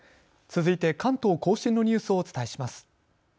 続いて関東甲信のニュースをお伝えします。